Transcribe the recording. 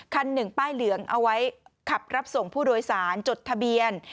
คันหนึ่งป้ายเหลืองเอาไว้ขับรับส่งผู้โดยสารจดทะเบียน